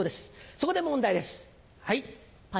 そこで問題です。